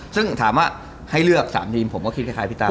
ซึ่งถามว่าให้เลือก๓ทีมผมก็คิดคล้ายพี่ตา